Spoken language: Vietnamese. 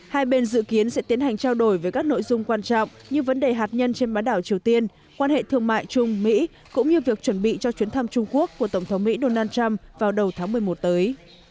hai bên dự kiến sẽ tiến hành trao đổi về các nội dung quan trọng như vấn đề hạt nhân trên bán đảo triều tiên quan hệ thương mại trung mỹ cũng như việc chuẩn bị cho chuyến thăm trung quốc của tổng thống mỹ donald trump vào đầu tháng một mươi một tới